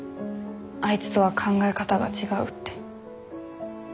あいつとは考え方が違うって。